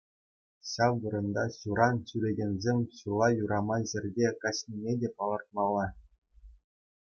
Ҫав вырӑнта ҫуран ҫӳрекенсем ҫула юраман ҫӗрте каҫнине те палӑртмалла.